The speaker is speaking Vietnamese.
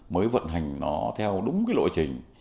mới vận hành nó theo đúng cái lộ trình